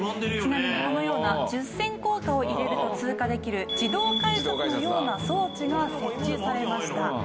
ちなみにこのような１０銭硬貨を入れると通過できる自動改札のような装置が設置されました。